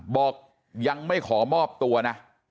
บอกยังไม่ขอมอบตัวนะ